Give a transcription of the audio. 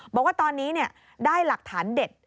บอกว่าตอนนี้ได้หลักฐานเด็ด